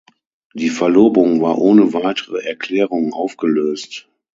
Die Verlobung war ohne weitere Erklärung aufgelöst.